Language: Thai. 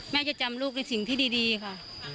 แม่จะจำลูกในสิ่งที่ดีค่ะ